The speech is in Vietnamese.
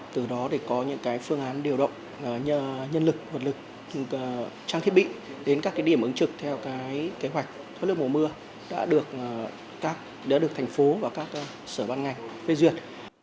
từ đó để có những cái phương án điều động nhân lực vật lực trang thiết bị đến các cái điểm ứng trực theo cái kế hoạch thói lực mùa mưa đã được thành phố và các sở ban ngành phê duyệt